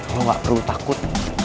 lo gak perlu takut